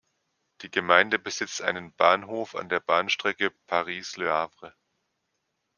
Die Gemeinde besitzt einen Bahnhof an der Bahnstrecke Paris–Le Havre.